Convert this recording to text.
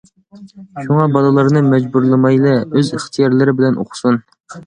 شۇڭا، بالىلارنى مەجبۇرلىمايلى، ئۆز ئىختىيارلىرى بىلەن ئوقۇسۇن!